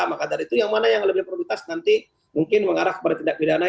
maka dari itu yang mana yang lebih prioritas nanti mungkin mengarah kepada tindak pidana